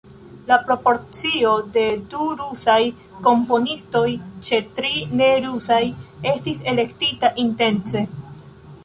La proporcio de du rusaj komponistoj ĉe tri ne-rusaj estis elektita intence.